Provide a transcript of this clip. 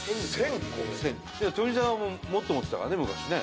富澤ももっと持ってたからね昔ね。